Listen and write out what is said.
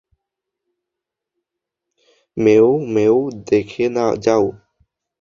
মেই, Mei, দেখে যাও!